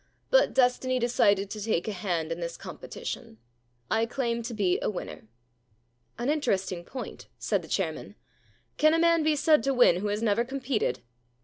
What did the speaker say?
But destiny decided to take a hand in this competition. I claim to be a winner.* * An interesting point,' said the chairman. * Can a man be said to win v/ho has never competed